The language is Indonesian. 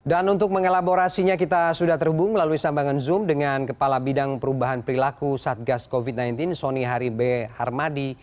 dan untuk mengelaborasinya kita sudah terhubung melalui sambangan zoom dengan kepala bidang perubahan perilaku satgas covid sembilan belas soni haribe harmadi